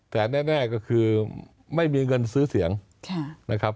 แต่แน่ก็คือไม่มีเงินซื้อเสียงนะครับ